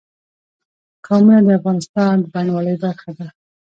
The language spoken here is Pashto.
قومونه د افغانستان د بڼوالۍ برخه ده.